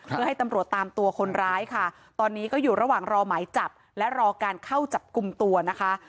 เพื่อให้ตำรวจตามตัวคนร้ายค่ะตอนนี้ก็อยู่ระหว่างรอหมายจับและรอการเข้าจับกลุ่มตัวนะคะ